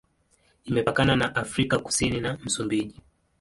Imepakana na Afrika Kusini na Msumbiji.